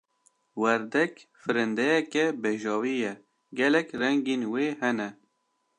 Werdek, firindeyeke bejavî ye, gelek rengên wê hene.